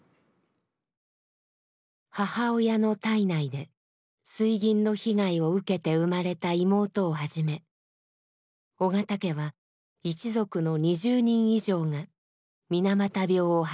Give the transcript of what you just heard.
母親の胎内で水銀の被害を受けて生まれた妹をはじめ緒方家は一族の２０人以上が水俣病を発症しました。